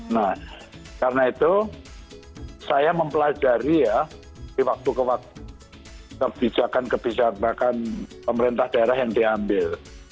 nah karena itu saya mempelajari ya di waktu ke waktu kebijakan kebijakan pemerintah daerah yang diambil